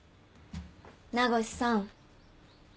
名越さん。